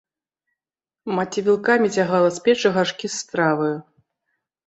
Маці вілкамі цягала з печы гаршкі з страваю.